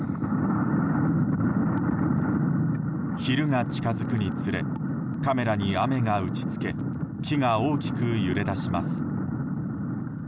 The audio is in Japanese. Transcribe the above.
昼が近づくにつれカメラに雨が打ち付け木が大きく揺れだします。